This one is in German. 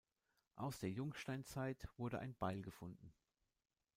Aus der Jungsteinzeit wurde ein Beil gefunden.